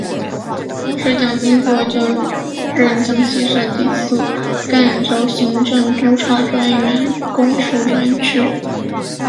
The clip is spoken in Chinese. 当时蒋经国刚就任江西省第四区赣州行政督察专员公署专员。